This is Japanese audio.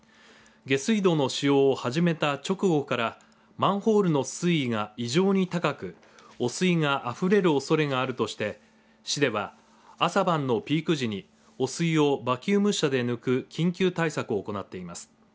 下水道の使用を始めた直後からマンホールの水位が異常に高く汚水があふれるおそれがあるとして市では、朝晩のピーク時に汚水をバキューム車で抜く緊急対策を行っています。